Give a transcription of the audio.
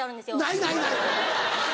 ないないない！